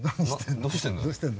どうしてんの？